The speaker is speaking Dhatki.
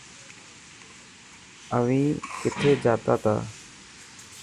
اوهين ڪٿي جاتا تا.